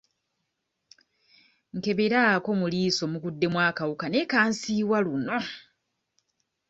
Nkeberaako mu liiso muguddemu akawuka naye kansiiwa luno.